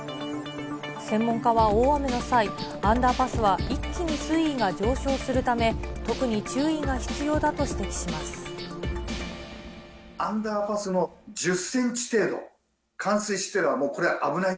専門家は大雨の際、アンダーパスは一気に水位が上昇するため、アンダーパスの１０センチ程度、冠水してればもう危ない。